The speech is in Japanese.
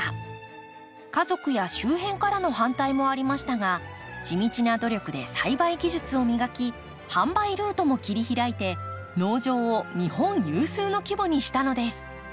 家族や周辺からの反対もありましたが地道な努力で栽培技術を磨き販売ルートも切り開いて農場を日本有数の規模にしたのです。